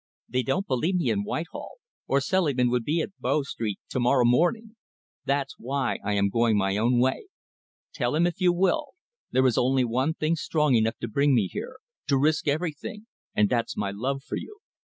They don't believe me in Whitehall, or Selingman would be at Bow Street to morrow morning. That's why I am going my own way. Tell him, if you will. There is only one thing strong enough to bring me here, to risk everything, and that's my love for you."